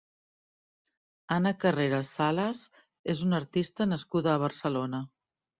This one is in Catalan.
Anna Carreras Sales és una artista nascuda a Barcelona.